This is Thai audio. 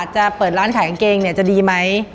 จะเปิดร้านขายกางเกงเนี่ยจะดีไหม